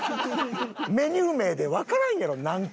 メニュー名でわからんやろなんか。